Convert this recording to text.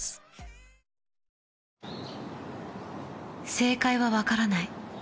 正解はわからない。